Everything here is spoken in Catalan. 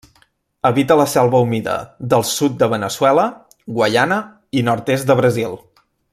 Habita la selva humida dels sud de Veneçuela, Guaiana i nord-est de Brasil.